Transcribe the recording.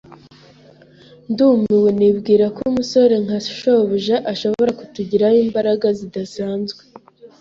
Ndumiwe nibwira ko umusore nka shobuja ashobora kutugiraho imbaraga zidasanzwe.